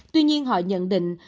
tuy nhiên họ nhận định